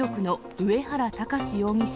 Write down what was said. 上原巌容疑者